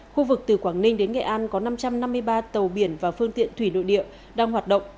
khu vực từ quảng ninh đến nghệ an có năm trăm năm mươi ba tàu biển và phương tiện thủy nội địa đang hoạt động